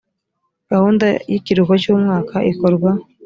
gahunda y ikiruhuko cy umwaka ikorwa